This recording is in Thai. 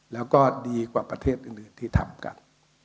แล้วก็ดีกว่าประเทศอื่นที่ทำกัน